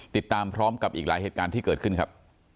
ติดตามพร้อมกับอีกหลายเหตุการณ์ที่เกิดขึ้นครับ